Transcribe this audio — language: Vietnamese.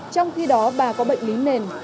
trong khi đó bà có bệnh lý nền